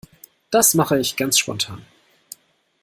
Das mache ich ganz spontan.